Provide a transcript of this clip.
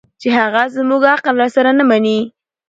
چې هغه زموږ عقل راسره نه مني